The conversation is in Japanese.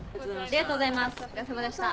ありがとうございます。